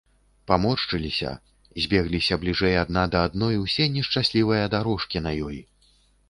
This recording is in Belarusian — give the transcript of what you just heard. Паморшчыліся, збегліся бліжэй адна да адной усе нешчаслівыя дарожкі на ёй.